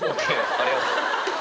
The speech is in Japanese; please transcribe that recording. ありがとう。